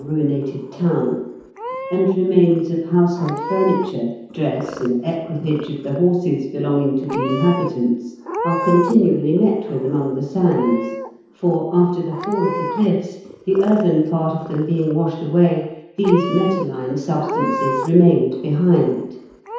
ruinated town ; and remains of household furniture, dress, and equipage of the horses belonging to the inhabitants are continually met with among the sands : for, after the fall of the clijBFs, the earthen part of them being washed away, these metalline substances remained behind.'